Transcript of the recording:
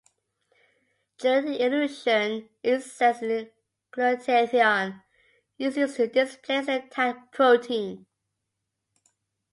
During elution, excess glutathione is used to displace the tagged protein.